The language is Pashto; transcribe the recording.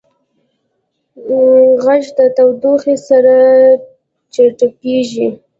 غږ د تودوخې سره چټکېږي.